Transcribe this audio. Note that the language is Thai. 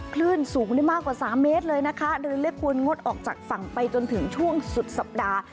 คลื่นสูงได้มากกว่าสามเมตรเลยนะคะเรือเล็กควรงดออกจากฝั่งไปจนถึงช่วงสุดสัปดาห์